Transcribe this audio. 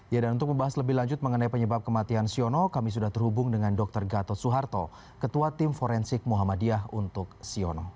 ya dan untuk membahas lebih lanjut mengenai penyebab kematian siono kami sudah terhubung dengan dr gatot suharto ketua tim forensik muhammadiyah untuk siono